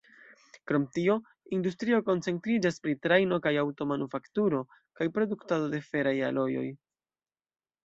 Krom tio, industrio koncentriĝas pri trajno- kaj aŭto-manufakturo kaj produktado de feraj alojoj.